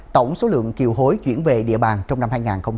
tổng số lượng kiều hối chuyển về địa bàn trong năm hai nghìn hai mươi ba